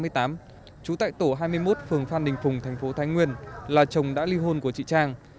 trú tại tổ hai mươi một phường phan đình phùng thành phố thái nguyên là chồng đã ly hôn của chị trang